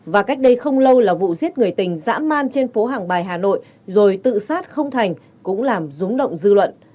và cách đây không lâu là vụ giết người tình dã man trên phố hàng bài hà nội rồi tự sát không thành cũng làm rúng động dư luận